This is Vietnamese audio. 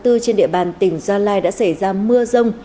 trên địa bàn tỉnh gia lai đã xảy ra mưa rông